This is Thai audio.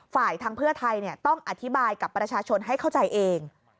ทางเพื่อไทยต้องอธิบายกับประชาชนให้เข้าใจเอง